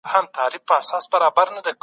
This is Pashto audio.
کمپيوټر براوزر چالانه کوي.